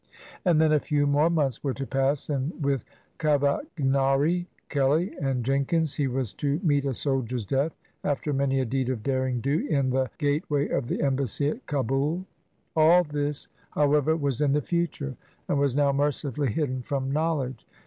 And then a few more months were to pass, and with 221 INDIA Cavagnari, Kelly, and Jenkins, he was to meet a soldier's death, after many a deed of "derring do," in the gate way of the embassy at Kabul. AU this, however, was in the future, and was now mercifully hidden from knowl edge.